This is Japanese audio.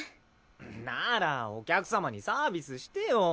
ならお客様にサービスしてよ。